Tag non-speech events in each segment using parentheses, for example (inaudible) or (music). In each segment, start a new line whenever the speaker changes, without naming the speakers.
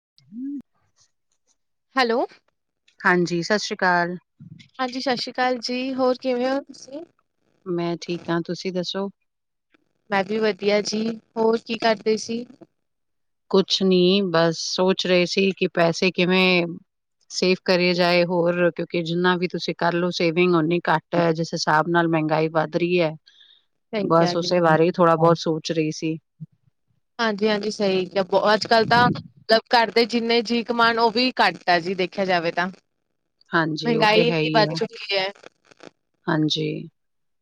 (unintelligible)
Hello.
ਹਾਂਜੀ ਸਤਿ ਸ਼੍ਰੀ ਅਕਾਲ।
ਹਾਂਜੀ ਸਤਿ ਸ਼੍ਰੀ ਅਕਾਲ ਜੀ ਹੋਰ ਕਿਵੇਂ ਓ ਤੁਸੀਂ?
ਮੈਂ ਠੀਕ ਆ ਤੁਸੀਂ ਦੱਸੋ?
ਮੈਂ ਵੀ ਵਧੀਆ ਜੀ ਹੋਰ ਕੀ ਕਰਦੇ ਸੀ।
ਕੁਛ ਨਹੀਂ ਬਸ ਸੋਚ ਰਹੇ ਸੀ ਕਿ ਪੈਸੇ ਕਿਵੇਂ ਸੇਵ ਕਰੇ ਜਾਏ ਹੋਰ ਕਿਉਂਕਿ ਜਿੰਨਾ ਵੀ ਤੁਸੀਂ ਕਰ ਲਓ ਸੇਵਿੰਗ ਓਨੀੇ ਘੱਟ ਐ ਜਿਸ ਹਿਸਾਬ ਨਾਲ ਮਹਿੰਗਾਈ ਵੱਧ ਰਹੀ ਐ
ਸਹੀ ਕਿਹਾ
ਬਸ
ਜੀ,
ਉਸੇ ਬਾਰੇ ਹੀ ਥੋੜਾ ਬਹੁਤ ਸੋਚ ਪੁਛ ਰਹੀ ਸੀ।
ਹਾਂਜੀ, ਹਾਂਜੀ ਸਹੀ ਆ ਬ ਅੱਜ ਕੱਲ੍ਹ ਤਾਂ ਮਤਲਬ ਘਰ ਦੇ ਜਿੰਨੇ ਜੀਅ ਕਮਾਣ ਉਹ ਵੀ ਘੱਟ (unintelligible) ਦੇਖਿਆ ਜਾਵੇ ਤਾਂ
ਹਾਂਜੀ, ਉਹ
ਮਹਿੰਗਾਈ
ਤੇ ਹੈ
ਇੰਨੀ
ਹੀ
ਵੱਧ
ਹੈ
ਚੁੱਕੀ ਐ।
ਹਾਂਜੀ,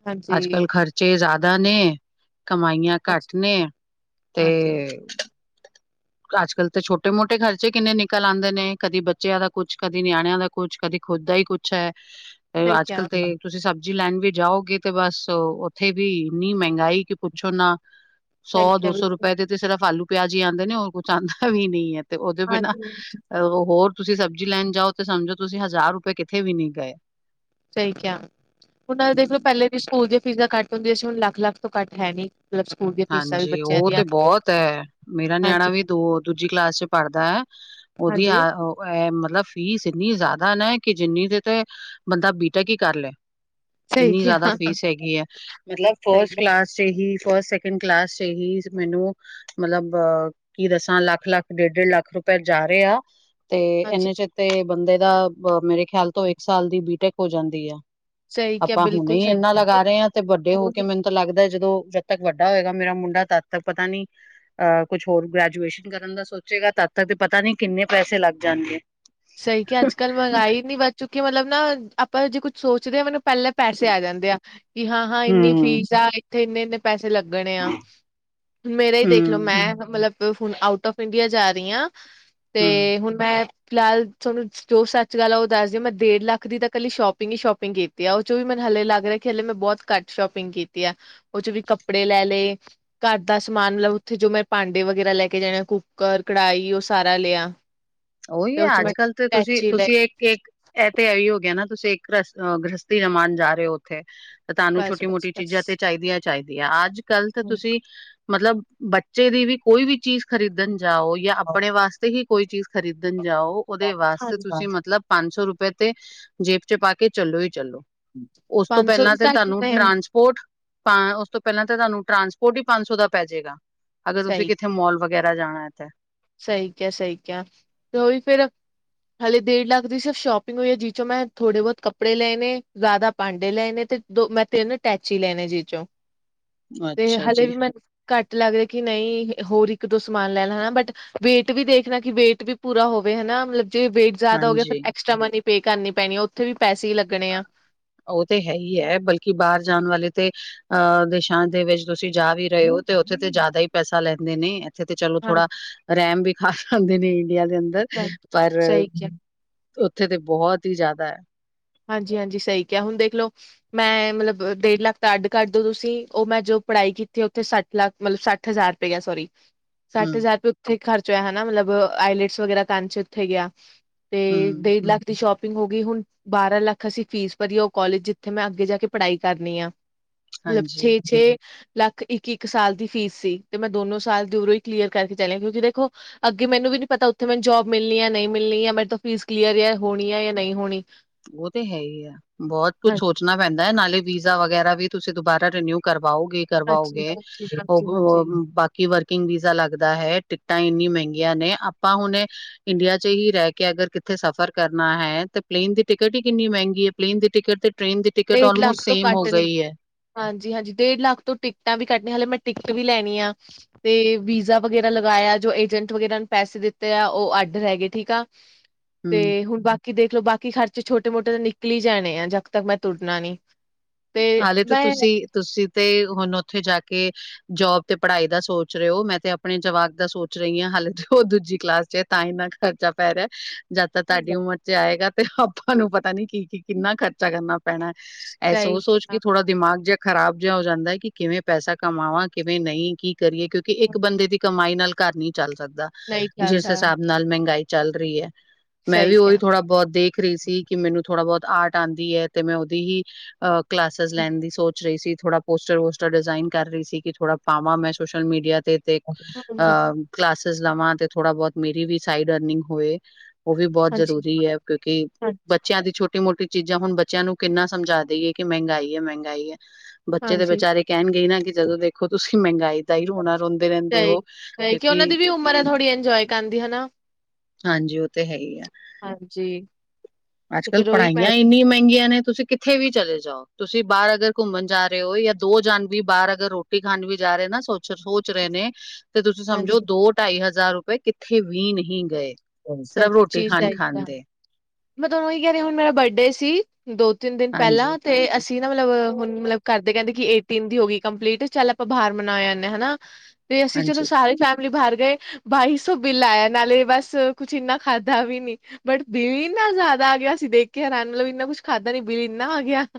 ਹਾਂਜੀ।
ਅੱਜ ਕੱਲ ਖਰਚੇ ਜ਼ਿਆਦਾ ਨੇ ਕਮਾਈਆਂ ਕੱਟ ਨੇ ਤੇ।
ਹਾਂਜੀ,
ਅੱਜ-ਕੱਲ੍ਹ ਤੇ ਛੋਟੇ ਮੋਟੇ ਖਰਚੇ ਕਿੰਨੇ ਨਿਕਲ ਆਂਦੇ ਨੇ। ਕਦੀ ਬੱਚਿਆਂ ਦਾ ਕੁਛ, ਕਦੀ ਨਿਆਣਿਆਂ ਦਾ। ਕੁਛ, ਕਦੇ ਖੁੱਦ ਦਾ ਈ ਕੁੱਛ ਐ।
(inaudible)
ਤੇ ਅੱਜ-ਕਲ, ਤੇ ਤੁਸੀਂ ਸਭ (unintelligible) ਜਾਓਗੇ, ਤੇ ਬਸ ਓਥੇ ਵੀ ਇੰਨੀ ਮਹੰਗਾਈ ਕਿ ਪੁੱਛੋ ਨਾ
ਸਹੀ ਕਿਹਾ
ਸੌ-ਦੋ-ਸੌ
ਬਿਲਕੁਲ,
ਰੁਪਏ ਦੇ ਤੇ ਸਿਰਫ ਆਲੂ ਪਿਆਜ ਹੀ ਆਂਦੇ ਨੇ, ਹੋਰ ਕੁਛ ਆਂਦਾ ਵੀ ਨੀ ਐ। ਤੇ ਉਹ ਦੇ ਬਿਨਾਂ
ਹਾਂਜੀ।
ਹੋਰ ਤੁਸੀਂ ਸਬਜ਼ੀ ਲੈਣ ਜਾਓ ਤੇ ਸਮਝੋ ਤੁਸੀਂ ਹਜ਼ਾਰ ਰੁਪਏ ਕਿੱਥੇ ਵੀ ਨੀ ਗਏ।
ਸਹੀ ਕਿਹਾ ਆ ਹੁਣ ਦੇਖ ਲਓ ਪਹਿਲੇ ਵੀ ਸਕੂਲ ਦੀਆਂ ਫੀਸਾਂ ਘੱਟ ਹੁੰਦੀਆਂ ਸੀ ਹੁਣ ਲੱਖ, ਲੱਖ ਤੋਂ ਘੱਟ ਹੈ ਨਹੀਂ। ਮਤਲਬ ਸਕੂਲ
ਹਾਂਜੀ ਉਹ ਤੇ ਬਹੁਤ ਐ ਮੇਰਾ ਨਿਆਣਾ ਵੀ ਦੋ ਦੂਜੀ ਕਲਾਸ ਚ ਪੜ੍ਹਦਾ। ਉਹਦੀ ਆ
ਹਾਂਜੀ-ਹਾਂਜੀ,
ਅ ਮਤਲਬ ਫੀਸ ਇੰਨੀ ਜ਼ਿਆਦਾ ਨਾ ਕਿ ਜਿੰਨੀ ਦੇ ਤੇ ਬੰਦਾ ਬੀਟੈਕ ਕਰ ਲੇ।
ਸਹੀ
ਇੰਨੀ ਜ਼ਿਆਦਾ
ਕਿਹਾ,
ਫੀਸ ਹੈਗੀ ਐ ਮਤਲਬ
ਸਹੀ
ਫਸਟ
ਕਿਹਾ,
ਕਲਾਸ ਚ ਹੀ ਫਸਟ ਕਲਾਸ ਚ ਹੀ ਮੈਨੂੰ ਮਤਲਬ ਕੀ ਦੱਸਾਂ ਲੱਖ, ਲੱਖ ਡੇਢ, ਡੇਢ ਲੱਖ ਰੁਪਏ ਜਾ ਰਹੇ ਆ। ਤੇ
ਹਾਂਜੀ।
ਇਹਨੇ ਚ ਤੇ ਬੰਦੇ ਦਾ ਮੇਰੇ ਖਿਆਲ ਤੋਂ ਇੱਕ ਸਾਲ ਦੀ ਬੀਟੈਕ ਹੋ ਜਾਂਦੀ ਆ।
ਸਹੀ ਕਿਹਾ,
ਆਪਾਂ
ਬਿਲਕੁਲ
ਹੁਣੇ ਈ
ਸਹੀ
ਇਨਾ
ਕਿਹਾ। ਹੁਣ
ਲਗਾ ਰੇ ਆ, ਤੇ ਵੱਡੇ ਹੋ ਕੇ
ਉਹੀ
ਮੈਨੂੰ ਤਾਂ ਲੱਗਦਾ, ਜਦੋਂ ਜਦ ਤੱਕ ਵੱਡ ਵੱਡਾ ਹੋਏਗਾ, ਮੇਰਾ ਮੁੰਡਾ ਤਦ ਤੱਕ ਪਤਾ ਨੀ ਆ ਕੁਛ ਹੋਰ ਗ੍ਰੈਜੂਏਸ਼ਨ ਕਰਨ ਦਾ ਸੋਚੇਗਾ, ਤਦ ਤੱਕ ਪਤਾ ਨੀ ਕਿੰਨੇ ਪੈਸੇ ਲੱਗ ਜਾਣਗੇ।
ਸਈ ਕਿਆ ਅੱਜ-ਕੱਲ ਮਗਾੰਈ ਇਨੀ ਵੱਧ ਚੁੱਕੀ, ਮਤਲਬ ਨਾ ਆਪਾਂ ਜੇ ਕੁੱਝ ਸੋਚਦੇ ਆ ਮੈਨੂੰ ਪੈਲਾਂ ਪੈਸੇ ਆ ਜਾਂਦੇ ਆ ਕਿ, ਹਾਂ-ਹਾਂ, ਇੰਨੀ
ਹਮ
ਫੀਸ ਆ। ਉੱਥੇ ਇੰਨੇ-ਇੰਨੇ ਪੈਸੇ ਲੱਗਣੇ ਆ। ਮੇਰਾ ਹੀ ਦੇਖਲੋ,
ਹਮ
ਮੈਂ ਮਤਲਬ ਹੁਣ ਆਊਟ ਆਫ ਇੰਡੀਆ ਜਾ ਰੀ ਆ,
ਹਮ
ਤੇ ਹੁਣ ਮੈਂ ਫਿਲਹਾਲ, ਤਹਾਨੂੰ ਜੋ ਸੱਚ ਗੱਲ ਆ, ਓ ਦੱਸਦੀ ਮੈਂ ਡੇਢ ਲੱਖ ਦੀ ਤਾਂ ਕੱਲੀ ਸ਼ੋਪਿੰਗ ਈ ਸ਼ੋਪਿੰਗ ਓ ਚੋਂ ਵੀ ਮੈਨੂੰ ਹਲੇ ਲੱਗ ਰਿਆ ਕੀ ਹਲੇ ਮੈਂ ਬੋਤ ਕੱਟ ਸ਼ੋਪਿੰਗ ਕੀਤੀ ਆ। ਔ ਚੋਂ ਵੀ ਕੱਪੜੇ ਲੈ ਲੇ। ਘਰ ਦਾ ਸਮਾਨ, ਮਤਲਬ ਉੱਥੇ ਜੋ ਮੈਂ ਪਾਂਡੇ ਵਗੈਰਾ ਲੈ ਕੇ ਜਾਣੇ, ਕੁੂਕਰ, ਕੜਾਈ, ਉਹ ਸਾਰਾ ਲਿਆ।
ਉਹੀ
ਤੇ
ਏ,
ਉਹ ਚ ਮੈਂ
ਅੱਜ-ਕੱਲ ਤੇ
ਟੈਚੀ ਲਏ
ਤੁਸੀਂ-ਤੁਸੀਂ ਇੱਕ ਇੱਕ ਐ ਤੇ ਐ ਈ ਹੋ ਗਿਆ ਨਾ, ਤੁਸੀਂ ਇੱਕ ਗ੍ਰਸਤੀ ਜਮਾਨ ਜਾ ਰਹੇ ਔ। ਥੇ ਤੇ ਤਾਨੂੰ
ਬਸ ਬਸ
ਛੋਟੀ-ਮੋਟੀ
ਬਸ
ਚੀਜ਼ਾਂ, ਤੇ ਚਾਈਦੀਆਂ ਚਾਈਦੀਆਂ। ਅੱਜ-ਕੱਲ੍ਹ ਤੇ ਤੁਸੀਂ ਮਤਲਬ, ਬੱਚੇ ਦੀ ਵੀ ਕੋਈ ਵੀ ਚੀਜ਼ ਖਰੀਦਣ ਜਾਓ ਯਾਂ ਆਪਣੇ ਵਾਸਤੇ ਹੀ ਕੋਈ ਚੀਜ਼ ਖ਼ਰੀਦਣ ਜਾਓ, ਓਦੇ ਵਾਸਤੇ ਤੁਸੀਂ ਮਤਲਬ ਪੰਜ-ਸੌ ਰੁਪਏ ਤੇ ਜੇਬ ਚ ਪਾ ਕੇ ਚੱਲੋ ਈ ਚੱਲੋ। ਔਸ ਤੋਂ
ਪੰਜ ਸੌ
ਪੈਲਾਂ
ਵੀ
ਤੇ
ਘੱਟ
ਤਾਨੂੰ
ਨੇ
ਟਰਾਂਸਪੋਰਟ ਉਸ ਤੋਂ ਪੈਲਾਂ ਤੇ ਤਾਨੂੰ ਟਰਾਂਸਪੋਰਟ ਹੀ ਪੰਜ ਸੌ ਦਾ ਪੈ ਜੇਗਾ, ਅਗਰ ਤੁਸੀਂ ਕਿੱਥੇ ਮੋਲ ਵ ਵਗੈਰਾ ਜਾਣਾ ਏ ਤੇ।
ਸਈ ਕਿਆ, ਸਈ ਕਿਆ, ਤੇ ਉਹੀ ਫੇਰ। ਹਲੇ ਡੇਢ ਲੱਖ ਦੀ ਸਿਰਫ ਸ਼ੋਪਿੰਗ ਹੋਈ ਐ। ਜੀ ਚੋਂ ਮੈਂ ਥੋੜੇ-ਬੋਤ ਕੱਪੜੇ ਲਏ ਨੇ, ਜ਼ਾਦਾ ਪਾਂਡੇ ਲਏ ਨੇ ਤੇ ਦੋ ਮੈਂ ਤੈਣ ਟੈਚੀ ਲੈਣੇ ਜੀ ਚੋਂ ਤੇ
ਅੱਛਾ
ਹਲੇੇ
ਜੀ
ਵੀ ਮੈਨੂੰ ਘੱਟ ਲੱਗ ਰੇ ਅ ਕਿ ਨਈ, ਹੋਰ ਇੱਕ-ਦੋ ਸਮਾਨ ਲੈਲਾ, ਹਣਾ ਬਟ ਵੇਟ ਵੀ ਦੇਖਣਾ ਕਿ ਵੇਟ ਵੀ ਪੂਰਾ ਹੋਵੇ ਹੈਨਾ। ਮਤਲਬ ਜੇ ਵੇਟ ਜ਼ਾਦਾ ਹੋ ਗਿਆ, ਫਿਰ
ਹਾਂਜੀ
ਐਕਸਟਰਾ ਮਨੀ ਪੇ ਕਰਨੀ ਪੈਣੀ ਐ, ਔਥੇ ਵੀ ਪੈਸੇ ਹੀ ਲੱ
ਉਹ ਤੇ ਹੈ ਹੀ ਐ, ਬਲਕਿ ਬਾਰ ਜਾਣ ਵਾਲੇ ਤੇ ਅ ਦੇਸ਼ਾਂ ਦੇ ਵਿੱਚ ਤੁਸੀਂ ਜਾ ਵੀ ਰਹੇ ਔ, ਤੇ ਔਥੇ ਤੇ ਜ਼ਾਦਾ ਹੀ ਪੈਸਾ ਲੈਂਦੇ ਨੇ। ਇਥੇ ਤੇ ਚਲੋ,
ਹਾਂਜੀ
ਥੋੜਾ ਰੈਮ ਵੀ ਖਾ ਲੇੰਦੇ ਨੇ ਇੰਡੀਆ ਦੇ ਅੰਦਰ,
ਸਹੀ
ਪਰ
ਸਹੀ ਕਿਹਾ
ਉੱਥੇ ਤੇ ਬਹੁਤ ਹੀ ਜ਼ਿਆਦਾ ਐ।
ਹਾਂਜੀ-ਹਾਂਜੀ, ਸਈ ਕਿਹਾ ਹੁਣ ਦੇਖ ਲੋ। ਮੈਂ ਮਤਲਬ ਦੇਡ ਲੱਖ ਦਾ ਅੱਡ ਕਰ ਦੋ ਤੁਸੀਂ ਉਹ ਮੈਂ ਜੋ ਪੜ੍ਹਾਈ ਕੀਤੀ ਉੱਥੇ ਸੱਠ ਲੱਖ ਮਤਲਬ ਸੱਠ ਹਜ਼ਾਰ ਰੁਪਿਆ ਸੋਰੀ। ਸੱਠ
ਹੂੰ
ਹਜ਼ਾਰ ਰੁਪਏ ਉੱਥੇ ਖਰਚ ਹੋਇਆ ਹਨਾ ਮਤਲਬ ਆਈਲੈਟਸ ਵਗੈਰਾ ਕਰਨ ਚ ਉੱਥੇ ਗਿਆ। ਤੇ
ਹੂੰ
ਡੇਢ ਲੱਖ ਦੀ ਸ਼ੋਪਿੰਗ ਹੋ ਗਈ, ਹੁਣ। ਬਾਰਾਂ ਲੱਖ ਅਸੀਂ ਫੀਸ ਭਰੀ ਏ ਉਹ ਕਾਲਜ ਜਿੱਥੇ ਮੈਂ ਅੱਗੇ ਜਾ ਕੇ ਪੜ੍ਹਾਈ ਕਰਨੀ ਆ। ਮਤਲਬ
ਹਾਂਜੀ
ਛੇ-ਛੇ। ਲੱਖ ਇੱਕ-ਇੱਕ ਸਾਲ ਦੀ ਫੀਸ ਸੀ ਤੇ ਮੈਂ ਦੋਨੋ ਸਾਲ ਦੀ ਉਰੋਂ ਹੀ ਕਲੀਅਰ ਕਰਕੇ ਚੱਲਿਆ ਕਿਉਂਕਿ ਦੇਖੋ ਅੱਗੇ ਮੈਨੂੰ ਵੀ ਨੀ ਪਤਾ ਉੱਥੇ ਮੈਨੂੰ ਜੋਬ ਮਿਲਣੀ ਐ ਨੀ ਮਿਲਣੀ ਐ ਮੇਰੇ ਤੋ ਫੀਸ ਕਲੀਅਰ ਆ, ਹੋਣੀ ਆ ਜਾਂ ਨਈ ਹੋਣੀ
ਉਹ ਤੇ ਹੈ ਹੀ ਐ, ਬੋਤ ਕੁੱਛ
ਹਾਂ
ਸੋਚਣਾ ਪੈਂਦਾ। ਨਾਲੇ ਵੀਜ਼ਾ ਵਗੈਰਾ ਵੀ ਤੁਸੀਂ ਦੁਬਾਰਾ ਰੇਨਿਊ ਕਰਵਾਓਗੇ।
ਹਾਂਜੀ,
ਕਰਵਾਓਗੇ,
ਹਾਂਜੀ,
ਔ
ਹਾਂਜੀ, ਹਾਂਜੀ
ਬਾਕੀ ਕਿ ਵਰਕਿੰਗ ਵੀਜ਼ਾ ਲੱਗਦਾ ਹੈ। ਟਿਕਟਾਂ ਇੰਨੀ ਮੰਗਿਆਂ ਨੇ ਆਪਾਂ ਹੁਣ ਇੰਡੀਆ ਚ ਹੀ ਰੈ ਕੇ, ਅਗਰ ਕਿੱਥੇ ਸਫ਼ਰ ਕਰਨਾ ਹੈ ਤੇ ਪਲੇਨ ਦੀ ਟਿਕਟ ਹੀ ਕਿੰਨੀ ਮੈੰਗੀ ਏ। ਪਲੇਨ ਦੀ ਟਿਕਟ ਤੇ ਟ੍ਰੇਨ ਦੀ ਟਿਕਟ ਆਲਮੋਸਟ ਸੇਮ ਹੋ ਗਈ ਐ।
ਹਾਂਜੀ-ਹਾਂਜੀ, ਡੇਢ ਲੱਖ ਤੋਂ ਟਿਕਟਾਂ ਵੀ ਕੱਟ ਨੇ। ਹਾਲੇ ਮੈਂ ਟਿਕਟ ਵੀ ਲੈਣੀ ਆ। ਤੇ ਵੀਜ਼ਾ ਵਗੈਰਾ ਲਗਾਇਆ, ਜੋ ਏਜੰਟ ਵਗੈਰਾ ਪੈਸੇ ਦਿੱਤੇ ਆ, ਉਹ ਅੱਡ ਰੈਗੇ, ਠੀਕ ਆ। ਤੇ
ਹਮ
ਹੁਣ ਬਾਕੀ ਦੇਖ ਲੋ। ਬਾਕੀ ਖਰਚੇ, ਛੋਟੇ-ਮੋਟੇ ਤਾਂ ਨਿਕਲੀ ਜਾਣੇ ਆ, ਜਦ ਤੱਕ ਮੈਂ ਤੁੁਰਨਾ ਨੀ। ਤੇ
ਹਾਲੇ ਤੇ
ਮੈਂ
ਤੁਸੀਂ, ਤੁਸੀਂ ਤੇ ਹੁਣ ਔਥੇ ਜਾ ਕੇ ਜੋਬ ਤੇ ਪੜ੍ਹਾਈ ਦਾ ਸੋਚ ਰਹੇ ਹੋ, ਮੈਂ ਤੇ ਆਪਣੇ ਜਵਾਕ ਦਾ ਸੋਚ ਰਹੀ ਹਾਂ ਹਾਲੇ ਉਹ ਦੂਜੀ ਕਲਾਸ ਚ ਏ। ਤਾਂ ਇੰਨਾ ਕ ਖਰਚਾ ਪੈ ਰਿਹਾ। ਜਦ ਤਾਂ ਤੁਹਾਡੀ ਉਮਰ ਚ ਆਏਗਾ ਤੇ ਆਪਾਂ ਨੂੰ ਪਤਾ ਨੀ ਕੀ-ਕੀ ਕਿੰਨਾ ਖਰਚਾ ਕਰਨਾ ਪੈਣਾ।
ਸਹੀ
ਸੋਚ ਸੋਚ ਕੇ
ਕਿਹਾ
ਥੋੜਾ ਦਿਮਾਗ ਜਿਹਾ ਖਰਾਬ ਜਿਹਾ ਹੋ ਜਾਂਦਾ ਕਿ ਕਿਵੇਂ ਪੈਸਾ ਕਮਾਵਾਂ, ਕਿਵੇਂ ਨਈ, ਕੀ ਕਰੀਏ ਕਿਉਂਕਿ ਇੱਕ ਇੱਕ ਬੰਦੇ ਦੀ ਕਮਾਈ ਨਾਲ ਘਰ ਨਹੀਂ ਚੱਲ ਸਕਦਾ,
ਨਹੀਂ
ਜਿਸ
ਚੱਲਦਾ
ਹਿਸਾਬ ਨਾਲ ਮਹਿੰਗਾਈ ਚੱਲ ਰਹੀ ਐ। ਮੈਂ
ਸਹੀ
ਵੀ ਉਹੀ
ਕਿਹਾ।
ਥੋੜ੍ਹਾ ਬਹੁਤ ਦੇਖ ਰਹੀ ਸੀ ਕਿ ਮੈਨੂੰ ਥੋੜਾ ਬਹੁਤ ਆਰਟ ਆਂਦੀ ਐ ਤੇ ਮੈਂ ਉਹਦੀ ਹੀ ਅਹ ਕਲਾਸਿਸ ਲੈਣ ਦੀ ਸੋਚ- ਰਹੀ ਸੀ। ਥੋੜਾ ਪੋਸਟਰ ਵੋਸਟਰ ਡਿਜ਼ਾਇਨ ਕਰ ਰਹੀ ਸੀ ਕਿ ਥੋੜਾ ਪਾਵਾਂ ਮੈਂ ਸੋਸ਼ਲ ਮੀਡੀਆ ਤੇ ਤੇ
ਹਾਂਜੀ,
ਅ ਕਲਾਸਿਸ ਲਵਾਂ ਤੇ ਥੋੜਾ ਬਹੁਤ ਮੇਰੀ ਵੀ ਸਾਈਡ ਅਰਨਿੰਗ ਹੋਏ। ਉਹ ਵੀ ਬਹੁਤ
ਹਾਂਜੀ,
ਜ਼ਰੂਰੀ ਹੈ ਕਿਉਂਕਿ
ਹਾਂ-
ਬੱਚਿਆਂ ਦੀ ਛੋਟੀ ਮੋਟੀ ਚੀਜ਼ਾਂ ਹੁਣ ਬੱਚਿਆਂ ਨੂੰ ਕਿੰਨਾ ਸਮਝਾ ਦੇਈਏ। ਕਿ ਮਹਿੰਗਾਈ ਹੈ ਮਹਿੰਗਾਈ ਹੈ ਬੱਚੇ ਤੇ
ਹਾਂਜੀ
ਵਿਚਾਰੇ ਕਹਿਣਗੇ ਈ ਨਾ ਕਿ ਜਦੋਂ ਦੇਖੋ ਤੁਸੀਂ ਮਹਿੰਗਾਈ। ਦਾ ਹੀ ਹੋਣਾ ਰੋਂਦੇ ਰਹਿੰਦੇ ਉ ਕਿਉਂਕਿ।
ਪਰ ਇਹ ਥੋੜ੍ਹੀ ਇੰਜੋਏ ਕਰਦੀ ਹਨਾ।
ਹਾਂਜੀ ਉਹ ਤੇ ਹੈ ਹੀ ਹੈ।
ਹਾਂਜੀ
ਅੱਜ
ਤੇ
ਕੱਲ
ਫਿਰ ਉਹੀ ਮੈਂ
ਪੜ੍ਹਾਈਆਂ ਇੰਨੀਆਂ ਮਹਿੰਗੀਆਂ ਨੇ ਤੁਸੀਂ ਕਿੱਥ। ਇੱਥੇ ਵੀ ਚਲੇ ਜਾਓ ਤੁਸੀਂ ਬਾਹਰ ਅਗਰ ਘੁੰਮਣ ਜਾ ਰਹੇ ਹੋ ਜਾਂ ਦੋ ਜਾਣ ਵੀ ਬਾਹਰ ਅਗਰ ਰੋਟੀ ਖਾਣ ਵੀ ਜਾ ਰਹੇ ਨਾ ਸੋਚ। ਸੋਚ ਰਹੇ ਨੇ ਤੇ ਤੁਸੀਂ
ਹਾਂਜੀ।
ਸਮਝੋ ਦੋ ਢਾਈ ਹਜ਼ਾਰ ਰੁਪਏ ਕਿੱਥੇ ਵੀ ਨਹੀਂ ਗਏ। ਸਿਰਫ ਰੋਟੀ
ਸੱਚੀ
ਖਾਣ
ਸਹੀ
ਖਾਣ
ਆ
ਦੇ।
ਮੈਂ ਤੁਹਾਨੂੰ ਇਹੀ ਕਹਿ ਰਹੀ ਹੁਣ ਮੇਰਾ ਬਰਡੇ ਸੀ ਦੋ ਤਿੰਨ ਦਿਨ
ਹਾਂਜੀ
ਪਹਿਲਾਂ ਤੇ ਅਸੀਂ। ਨਾ ਮਤਲਬ ਹੁਣ ਮਤਲਬ ਘਰਦੇ ਕਹਿੰਦੇ ਕਿ ਏਟੀਨ ਦੀ ਹੋ ਗਈ ਕੰਪਲੀਟ ਚੱਲ ਆਪਾਂ ਬਾਹਰ ਮਨਾ ਆਣੇ ਹਾਂ ਹੈਨਾ। ਤੇ ਅਸੀਂ ਚਲੋ
ਹਾਂਜੀ
ਸਾਰੀ ਫੈਮਿਲੀ ਬਾਹਰ ਗਏ ਬਾਈ ਸੋ ਬਿੱਲ ਆਇਆ ਨਾਲੇ ਬਸ। ਕੁਛ ਇੰਨਾ ਖਾਧਾ ਵੀ ਨੀ। ਬਟ ਬਿੱਲ ਇੰਨਾ ਜ਼ਿਆਦਾ ਆ ਗਿਆ ਅਸੀਂ ਦੇਖ ਕੇ ਹੈਰਾਨ ਮਤਲਬ ਇੰਨਾ ਕੁਛ ਖਾਧਾ ਨੀ ਬਿੱਲ ਇੰਨਾ ਆ ਗਿਆ। (inaudible)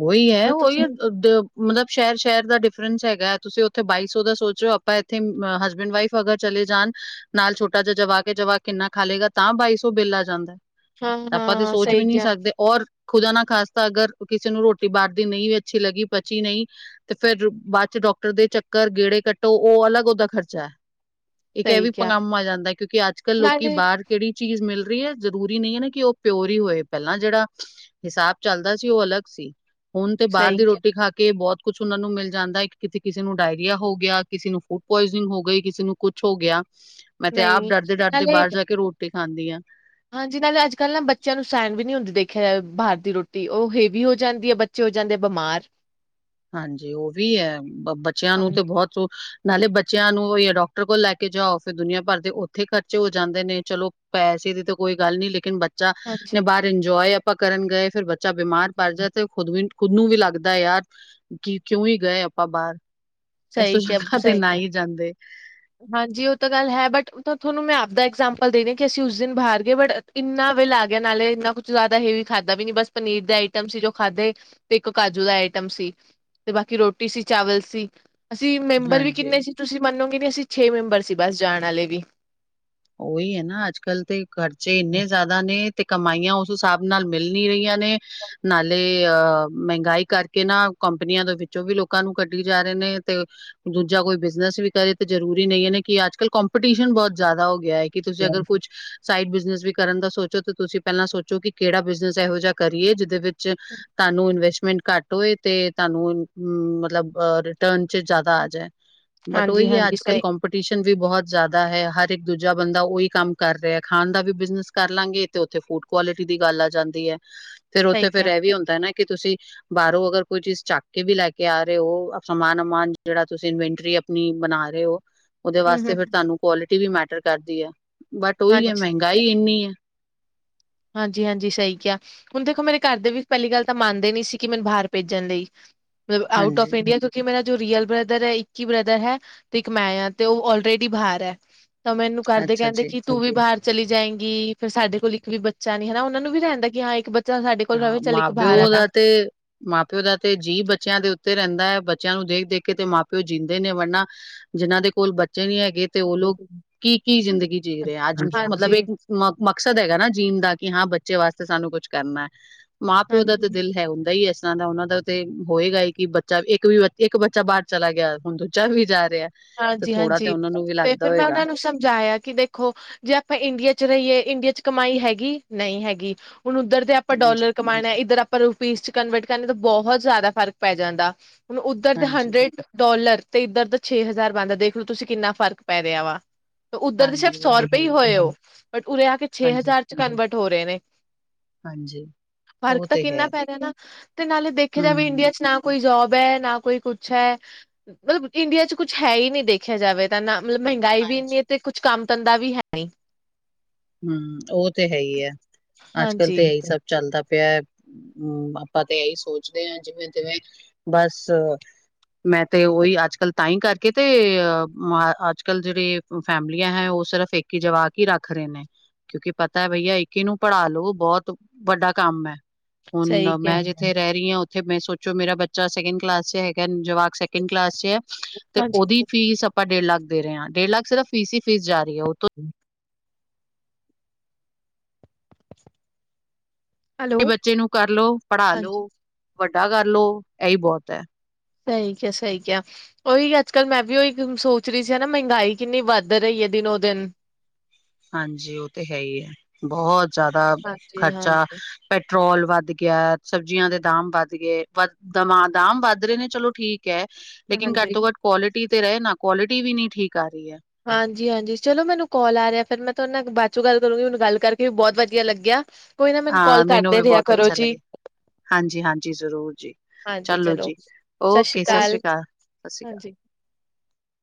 ਉਹੀ ਹੈ
ਮਤਲਬ
ਉਹੀ
ਤੁਸੀਂ
ਹੈ ਮਤਲਬ ਸ਼ਹਿਰ ਸ਼ਹਿਰ ਦਾ ਡਿਫਰੈਂਸ ਹੈਗਾ ਏ ਤੁਸੀਂ ਉੱਥੇ ਬਾਈ ਸੌ ਦਾ ਸੋਚ ਰਹੇ ਓ ਆਪਾਂ ਇੱਥੇ ਹਸਬੈਂਡ ਵਾਈਫ। ਅਗਰ ਚਲੇ ਜਾਣ ਨਾਲ ਛੋਟਾ ਜਿਹਾ ਜਵਾਕ ਕੇ ਜਵਾਕ ਕਿੰਨਾ ਖਾ ਲੇਗਾ ਤਾਂ ਬਾਈ ਸੌ ਬਿੱਲ ਆ ਜਾਂਦਾ।
ਹਾਂ
ਆਪਾਂ ਤੇ
ਹਾਂ
ਸੋਚ ਵੀ
ਸਹੀ
ਨਹੀਂ
ਕਿਹਾ
ਸਕਦੇ ਔਰ ਖੁਦਾ ਨਾ ਖ਼ਾਸਤਾਂ ਅਗਰ। ਕਿਸੇ ਨੂੰ ਰੋਟੀ ਬਾਹਰ ਦੀ ਨਹੀਂ ਵੀ ਅੱਛੀ ਲੱਗੀ ਪਚੀ ਨਹੀਂ। ਤੇ ਫੇਰ ਬਾਅਦ ਚ ਡਾਕਟਰ ਦੇ ਚੱਕਰ ਗੇੜੇ ਕੱਟੋ ਉਹ ਅਲੱਗ ਉਹਦਾ ਖਰਚਾ ਹੈ। ਇੱਕ ਇਹ
ਸਹੀ
ਵੀ
ਕਿਹਾ
ਪਗਾਮ ਆ ਜਾਂਦਾ ਕਿਉਂਕਿ ਅੱਜ ਕੱਲ੍ਹ ਲੋਕੀ
ਨਾਲੇ
ਬਾਹਰ। ਕਿਹੜੀ ਚੀਜ਼ ਮਿਲ ਰਹੀ ਹੈ ਜਰੂਰੀ ਨਹੀਂ ਹੈ ਨਾ ਕਿ ਉਹ ਪਿਓਰ ਹੀ ਹੋਏ ਪਹਿਲਾਂ ਜਿਹੜਾ ਹਿਸਾਬ ਚੱਲਦਾ। ਸੀ ਉਹ ਅਲੱਗ ਸੀ ਹੁਣ ਤੇ ਬਾਹਰ
ਸਹੀ
ਦੀ
ਕਿਹਾ
ਰੋਟੀ ਖਾ ਕੇ ਬਹੁਤ। ਕੁਛ ਉਹਨਾਂ ਨੂੰ ਮਿਲ ਜਾਂਦਾ ਹੈ ਕਿਤੇ ਕਿਸੇ ਨੂੰ ਡਾਇਰੀਆ ਹੋ ਗਿਆ ਕਿਸੇ ਨੂੰ ਫੂਡ ਪੁਆਇਜਨਿੰਗ ਹੋ ਗਈ ਕਿਸੇ ਨੂੰ ਕੁਛ ਹੋ ਗਿਆ। ਮੈਂ ਤੇ
ਨਹੀਂ
ਆਪ ਡਰਦੇ ਡਰਦੇ
ਨਾਲੇ
ਬਾਹਰ ਜਾ ਕੇ ਰੋਟੀ ਖਾਂਦੀ ਹਾਂ।
ਹਾਂਜੀ ਨਾਲੇ ਅੱਜ ਕੱਲ੍ਹ ਨਾ ਬੱਚਿਆਂ ਨੂੰ ਸਹਿਣ ਵੀ ਨੀ ਹੁੰਦੀ ਦੇਖਿਆ ਜਾ ਬਾਹਰ ਦੀ ਰੋਟੀ ਉਹ ਹੇਵੀ ਹੋ ਜਾਂਦੀ ਹੈ। ਚ ਹੋ ਜਾਂਦੇ ਬਿਮਾਰ।
ਹਾਂਜੀ ਉਹ ਵੀ ਹੈ ਬੱਚਿਆਂ ਨੂੰ
ਹਾਂ-
ਤੇ ਬਹੁਤ ਨਾਲੇ ਬੱਚਿਆਂ ਨੂੰ ਡਾਕਟਰ ਕੋਲ ਲੈ ਕੇ ਜਾਓ ਫਿਰ ਦੁਨੀਆਂ ਭਰ ਦੇ ਉੱਥੇ ਖਰਚੇ ਹੋ ਜਾਂਦੇ ਨੇ ਚਲੋ। ਪੈਸੇ ਦੀ ਤਾਂ ਕੋਈ ਗੱਲ ਨੀ ਲੇਕਿਨ ਬ ਬੱਚਾ ਨੇ
ਹਾਂਜੀ
ਬਾਹਰ ਇੰਜੋਏ ਆਪਾਂ ਕਰਨ ਗਏ ਫੇਰ ਬੱਚਾ ਬਿਮਾਰ ਪੜ ਜਾਏ ਤੇ ਖੁਦ ਵੀ। ਖੁਦ ਨੂੰ ਵੀ ਲੱਗਦਾ ਯਾਰ ਕਿ ਕਿਉਂ ਹੀ ਗਏ ਆਪਾਂ ਬਾਹਰ। ਇਸ ਤੋਂ
ਸਹੀ ਕਿਹਾ
ਚੰਗਾ ਤੇ
ਸਹੀ
ਨਾ
ਕਿਹਾ
ਹੀ ਜਾਂਦੇ।
ਹਾਂਜੀ ਉਹ ਤਾਂ ਗੱਲ ਹੈ ਬਟ ਮੇ ਤਾਂ ਤੁਹਾਨੂੰ ਮੈਂ ਆਪਦਾ ਐਗਜਾਮਪਲ ਦੇਰੀ ਕਿ ਅਸੀਂ ਉਸ ਦਿਨ ਬਾਹਰ ਗਏ ਬੱਟ। ਇੰਨਾ ਬਿੱਲ ਆ ਗਿਆ ਨਾਲੇ ਇੰਨਾ ਕੁਛ ਜ਼ਿਆਦਾ ਹੈਵੀ ਖਾਧਾ ਵੀ ਨੀ ਬਸ ਪਨੀਰ ਦੇ ਆਈਟਮ ਸੀ ਜੋ ਖਾਧੇ। ਤੇ ਇੱਕ ਕਾਜੂ ਦਾ ਆਈਟਮ ਸੀ ਤੇ ਬਾਕੀ ਰੋਟੀ ਸੀ ਚਾਵਲ ਸੀ। ਅਸੀਂ ਮੈਂਮਬਰ ਵੀ
ਹਾਂਜੀ
ਕਿੰਨੇ ਸੀ ਤੁਸੀਂ ਮੰਨੋਗੇ ਨੀ ਅਸੀਂ ਛੇ ਮੈਂਮਬਰ ਸੀ ਬਸ ਜਾਣ ਆਲੇ ਵੀ।
ਉਹੀ ਹੈ ਨਾ ਅੱਜ ਕੱਲ੍ਹ ਤੇ ਖਰਚੇ ਇੰਨੇ ਜ਼ਿਆਦਾ ਨੇ ਤੇ ਕਮਾਈਆਂ ਉਸ ਹਿਸਾਬ ਨਾਲ ਮਿਲ ਨੀ ਰਹੀਆਂ ਨੇ। ਨਾਲੇ ਅਹ ਮਹਿੰਗਾਈ ਕਰਕੇ ਨਾ ਕੰਪਨੀਆਂ ਦੇ ਵਿੱਚੋਂ ਵੀ ਲੋਕਾਂ ਨੂੰ ਕੱਢੀ ਜਾ ਰਹੇ ਨੇ ਤੇ। ਦੂਜਾ ਕੋਈ ਬਿਜਨਸ ਵੀ ਕਰੇ ਤਾਂ ਜਰੂਰੀ ਨਹੀਂ ਇਹ ਕਿ ਅੱਜ ਕੱਲ ਕੰਪੀਟੀਸ਼ਨ ਬਹੁਤ ਜ਼ਿਆਦਾ ਹੋ। ਗਿਆ ਹੈ ਕਿ ਤੁਸੀਂ ਅਗਰ ਕੁੱਛ ਸਾਈਡ ਬਿਜਨਸ ਵੀ ਕਰਨ ਦਾ ਸੋਚੋ ਤੇ ਤੁਸੀਂ ਪਹਿਲਾਂ ਸੋਚੋ ਕਿ ਕਿਹੜਾ ਬਿਜਨਸ ਇਹੋ ਜਿਹਾ ਕਰੀਏ ਜਿਹਦੇ ਵਿੱਚ। ਤੁਹਾਨੂੰ ਇਨਵੈਸਟਮੈਂਟ ਘੱਟ ਓਏ ਤੇ ਤੁਹਾਨੂੰ ਮਤਲਬ ਰਿਟਰਨ ਚ ਜਿਆਦਾ ਆ ਜਾਏ। ਬਟ
ਹਾਂਜੀ
ਉਹੀ ਹੈ
ਹਾਂਜੀ
ਅੱਜ ਕੱਲ੍ਹ
ਸਹੀ
ਕਪੀਟੀਸ਼ਨ ਵੀ ਬਹੁਤ ਜ਼ਿਆਦਾ ਹੈ ਹਰ ਇੱਕ। ਦੂਜਾ ਬੰਦਾ ਉਹੀ ਕੰਮ ਕਰ ਰਿਹਾ ਖਾਣ ਦਾ ਵੀ ਬਿਜਨਸ ਕਰ ਲਾਂਗੇ ਤੇ ਉੱਥੇ ਫੂਡ ਕੁਆਲਿਟੀ ਦੀ ਗੱਲ ਆ ਜਾਂਦੀ ਹੈ। ਫਿਰ
ਸਹੀ
ਉੱਥੇ ਫੇਰ
ਕਿਹਾ
ਇਹ ਵੀ ਹੁੰਦਾ ਨਾ ਕਿ ਤੁਸੀਂ। ਬਾਹਰੋਂ ਅਗਰ ਕੋਈ ਚੀਜ਼ ਚੱਕ ਕੇ ਵੀ ਲੈ ਕੇ ਆ ਰਹੇ ਹੋ ਸਮਾਨ ਉਮਾਨ ਜਿਹੜਾ ਤੁਸੀਂ ਇਨਵਟਰੀ। ਆਪਣੀ ਬਣਾ ਰਹੇ ਹੋ। ਉਹਦੇ
ਹੂੰ
ਵਾਸਤੇ
ਹੂੰ
ਫਿਰ ਤੁਹਾਨੂੰ ਕੁਆਲਿਟੀ ਵੀ ਮੈਟਰ ਕਰਦੀ ਆ, ਬਟ ਉਹੀ ਹੈ
ਹਾਂਜੀ
ਮਹਿੰਗਾਈ ਇੰਨੀ ਹੈ।
ਹਾਂਜੀ-ਹਾਂਜੀ, ਸਹੀ ਕਿਹਾ। ਹੁਣ ਦੇਖੋ ਮੇਰੇ ਘਰ ਦੇ ਵੀ ਪਹਿਲੀ ਗੱਲ ਤਾਂ ਮੰਨਦੇ ਨੀ ਸੀ ਕਿ ਮੈਨੂੰ ਬਾਹਰ ਭੇਜਣ ਲਈ ਮਤਲਬ ਆਊਟ ਆਫ
ਹਾਂਜੀ
ਇੰਡੀਆ ਮੇਰਾ ਜੋ ਰੀਅਲ ਬ੍ਰਦਰ ਹੈ ਇੱਕ ਹੀ ਬ੍ਰਦਰ ਹੈ ਤੇ ਇੱਕ ਮੈਂ ਆ ਤੇ ਉਹ ਲਰੇਡੀ ਬਾਹਰ ਹੈ। ਤਾਂ ਮੈਨੂੰ ਘਰ ਦੇ
ਅੱਛਾ
ਕਹਿੰਦੇ
ਜੀ
ਕਿ ਤੂੰ ਵੀ ਬਾਹਰ ਚਲੀ ਜਾਏਗੀ ਫਿਰ ਸਾਡੇ ਕੋਲ ਇੱਕ ਵੀ ਬੱਚੇ ਬੱਚਾ ਨੀ ਉਹਨਾਂ ਨੂੰ ਵੀ ਰਹਿੰਦਾ ਹਾਂ ਇੱਕ ਬੱਚਾ ਸਾਡੇ ਕੋਲ
ਹਾਂ,
ਰਵੇ ਚੱਲ
ਮਾਂ
ਇੱਕ ਬਾਹਰ ਆ
ਪਿਓ
ਤਾਂ
ਜਾ ਤੇ ਮਾਂ ਪਿਓ ਦਾ ਤੇ ਜੀਅ ਬੱਚਿਆਂ ਦੇ ਉੱਤੇ ਰਹਿੰਦਾ ਹੈ ਬੱਚਿਆਂ ਨੂੰ ਦੇਖ ਦੇਖ ਕੇ ਤੇ ਮਾਂ ਪਿਓ ਜੀਂਦੇ ਨੇ ਵਰਨਾ। ਜਿਹਨਾਂ ਦੇ ਕੋਲ ਬੱਚੇ ਨੀ ਹੈਗੇ ਤੇ ਉਹ ਲੋਕ ਕੀ ਕੀ ਜ਼ਿੰਦਗੀ ਜੀ ਰਹੇ ਆ ਅੱਜ ਮਤਲਬ
ਹਾਂਜੀ-ਹਾਂਜੀ,
ਇੱਕ ਮ ਮਕਸਦ ਹੈਗਾ ਨਾ ਜੀਣ ਦਾ ਕਿ ਹਾਂ ਬੱਚੇ ਵਾਸਤੇ ਸਾਨੂੰ ਕੁੱਛ ਕਰਨਾ। ਮਾਂ ਪਿਓ ਦਾ ਤਾਂ ਦਿਲ ਹੈ ਹੁੰਦਾ ਹੀ ਇਸ ਤਰ੍ਹਾਂ ਦਾ ਉਹਨਾਂ ਦਾ, ਤੇ ਹੋਏਗਾ ਹੀ ਕਿ ਬੱਚਾ ਇੱਕ ਵੀ ਇੱਕ ਬੱਚਾ ਬਾਹਰ ਚਲਾ ਗਿਆ ਹੁਣ ਦੂਜਾ ਵੀ ਜਾ ਰਿਹਾ। ਤੇ ਥੋੜਾ ਤੇ
ਹਾਂਜੀ-ਹਾਂਜੀ,
ਉਹਨਾਂ ਨੂੰ ਵੀ
ਤੇ
ਲੱਗਦਾ
ਫਿਰ ਮੈਂ
ਹੋਏਗਾ
ਉਹਨਾਂ ਨੂੰ ਸਮਝਾਇਆ ਕਿ ਦੇਖ ਦੇਖੋ ਜੇ ਆਪਾਂ ਇੰਡੀਆ ਚ ਰਹੀਏ ਇੰਡੀਆ ਚ ਕਮਾਈ ਹੈਗੀ ਨਹੀਂ ਹੈਗੀ ਹੁਣ ਉੱਧਰ ਦੇ ਆਪਾਂ ਡੋਲਰ
ਹਾਂਜੀ।
ਕਮਾਉਣਾ ਇੱਧਰ ਆਪਾਂ ਰੁਪੀਜ਼ ਚ ਕਨਵਰਟ ਕਰਨਾ ਤਾਂ ਬਹੁਤ ਜ਼ਿਆਦਾ ਫ਼ਰਕ ਪੈ ਜਾਂਦਾ। ਹੁਣ ਉੱਧਰ ਦੇ
ਹਾਂਜੀ-ਹਾਂਜੀ
ਹੰਡਰਡ ਡੋਲਰ ਤੇ ਇੱਧਰ ਦਾ ਛੇ ਹਜ਼ਾਰ ਬਣਦਾ ਦੇਖ ਲੋ ਤੁਸੀਂ ਕਿੰਨਾ ਫ਼ਰਕ ਪੈ ਰਿਹਾ ਵਾ। ਉੱਧਰ ਦੇ ਸਿਰਫ
ਉਹ
ਸੌ
ਤੇ
ਰੁਪਏ
ਹੈ
ਹੀ
ਹੈ
ਹੋਏ ਉਹ ਬਟ ਉਰੇ ਆ ਕੇ ਛੇ ਹਜ਼ਾਰ ਚ ਕਨਵਰਟ ਹੋ ਰਹੇ ਨੇ।
ਹਾਂਜੀ-ਹਾਂਜੀ
ਫ਼ਰਕ
ਉਹ
ਤਾਂ
ਤੇ
ਕਿੰਨਾ
ਹੈ
ਪੈ ਜਾ ਨਾ ਤੇ ਨਾਲੇ ਦੇਖਿਆ ਜਾਵੇ ਇੰਡੀਆ
ਹੂੰ
ਚ ਨਾਮ ਕੋਈ ਜੋਬ ਹੈ ਨਾ ਕੋਈ ਕੁਛ ਹੈ, ਮਤਲਬ ਇੰਡੀਆ ਚ ਕੁੱਛ ਹੈ ਹੀ ਨਹੀਂ ਦੇਖ ਦੇਖਿਆ ਜਾਵੇ ਤਾਂ ਨਾ ਮਤਲਬ ਮਹਿੰਗਾਈ ਵੀ ਇਨੀ
ਹਾਂਜੀ।
ਤੇ ਕੁਛ ਕੰਮ ਧੰਦਾ ਵੀ ਹੈ ਨਹੀਂ।
ਹੂੰ, ਉਹ ਤੇ ਹੈ ਹੀ ਹੈ, ਅੱਜ ਕੱਲ੍ਹ ਤਾਂ
ਹਾਂਜੀ,
ਇਹੀ ਸਭ ਚੱਲਦਾ ਪਿਆ। ਹੂੰ, ਆਪਾਂ ਤੇ ਇਹੀ ਸੋਚਦੇ ਹਾਂ ਜਿਵੇਂ ਤਿਵੇਂ ਬਸ ਮੈਂ ਤੇ ਉਹੀ ਅੱਜ ਕੱਲ੍ਹ ਤਾਂਹੀ ਕਰਕੇ ਤੇ ਅੱਜ ਕੱਲ ਜਿਹੜੇ ਫੈਮਲੀਆਂ ਹੈ ਉਹ ਸਿਰਫ ਇੱਕ ਹੀ ਜਵਾਕ ਹੀ ਰੱਖ ਰਹੇ ਨੇ। ਕਿਉਂਕਿ ਪਤਾ ਹੈ ਬਈਆ ਇੱਕ ਨੂੰ ਪੜ੍ਹਾ ਲੋ ਬਹੁਤ ਵੱਡਾ ਕੰਮ ਹੈ।
ਸਹੀ
ਹੁਣ
ਕਿਹਾ।
ਮੈਂ ਜਿੱਥੇ ਰਹਿ ਰਹੀ ਹਾਂ ਉੱਥੇ ਮੈਂ ਸੋਚੋ ਮੇਰਾ ਬੱਚਾ ਸੈਕਿੰਡ ਕਲਾਸ ਚ ਹੈਗਾ ਜਵਾਕ ਕਲਾਸ ਚ ਤੇ
ਹਾਂਜੀ,
ਉਹਦੀ ਫੀਸ ਆਪਾਂ ਡੇਢ ਦੇ ਰਹੇ ਹਾਂ ਡੇਢ ਲੱਖ ਸਿਰਫ ਫੀਸ ਹੀ ਫੀਸ ਜਾ ਰਹੀ ਹੈ ਉਹੋਂ
(inaudible) ਹੈਲੋ।
ਬੱਚੇ ਨੂੰ ਕਰਲੋ, ਪੜ੍ਹਾ
ਹਾਂਜੀ,
ਲੋ, ਵੱਡਾ ਕਰ ਲੋ ਇਹੀ ਬਹੁਤ ਹੈ।
ਸਹੀ ਕਿਆ ਸਹੀ ਕਿਹਾ। ਉਹੀ ਅੱਜ ਕੱਲ੍ਹ ਮੈਂ ਵੀ ਉਹੀ ਸੋਚ ਰਹੀ ਸੀ ਨਾ ਮਹਿੰਗਾਈ ਕਿੰਨੀ ਵੱਧ ਰਹੀ ਹੈ ਦਿਨੋ ਦਿਨ।
ਹਾਂਜੀ ਉਹ ਤੇ ਹੈ ਹੀ ਹੈ ਬਹੁਤ ਜ਼ਿਆਦਾ ਖਰਚਾ।
ਹਾਂਜੀ-ਹਾਂਜੀ।
ਪੈਟਰੋਲ ਵੱਧ ਗਿਆ ਸਬਜ਼ੀਆਂ ਦੇ ਦਾਮ ਵੱਧ ਗਏ ਵੱਧ ਦਮਾ ਦਮ ਵੱਧ ਰਹੇ ਨੇ ਚਲੋ ਠੀਕ, ਹੈ ਲੇਕਿਨ ਘੱਟ ਤੋਂ ਘੱਟ ਕੁਆਲਿਟੀ ਤੇ ਰਹੇ ਨਾ ਕੁਆਲਿਟੀ ਵੀ ਨੀ ਠੀਕ ਆ ਰਹੀ ਹੈ।
ਹਾਂਜੀ-ਹਾਂਜੀ, ਚਲੋ ਮੈਨੂੰ ਕਾਲ ਆ ਰਿਹਾ ਫਿਰ ਮੈਂ ਤੁਹਾਡੇ ਨਾਲ ਬਾਅਦ ਚੋਂ ਗੱਲ ਕਰੂੰਗੀ ਮਨੂੰ ਗੱਲ ਕਰਕੇ ਵੀ ਬਹੁਤ ਵਧੀਆ ਲੱਗਿਆ। ਕੋਈ ਨਾ ਮੈਨੂੰ ਕਾਲ ਕਰਦੇ ਰਿਹਾ ਕਰੋ ਜੀ।
ਹਾਂਜੀ-ਹਾਂਜੀ, ਜ਼ਰੂਰ ਜੀ, ਚਲੋ ਜੀ ਓਕੇ ਸਤਿ ਸ਼੍ਰੀ ਅਕਾਲ। ਸਤਿ ਸ਼੍ਰੀ ਅਕਾਲ।
ਹਾਂਜੀ।